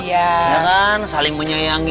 iya kan saling menyayangi